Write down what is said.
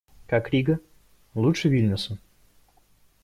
Как Рига? Лучше Вильнюса?